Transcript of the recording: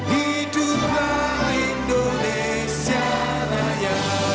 hiduplah indonesia raya